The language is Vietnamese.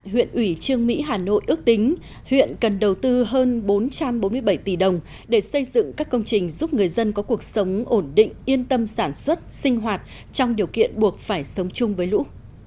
huyện ủy trương mỹ hà nội ước tính huyện cần đầu tư hơn bốn trăm bốn mươi bảy tỷ đồng để xây dựng các công trình giúp người dân có cuộc sống ổn định yên tâm sản xuất sinh hoạt trong điều kiện buộc phải sống chung với lũ